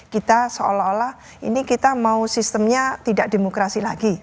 kita seolah olah ini kita mau sistemnya tidak demokrasi lagi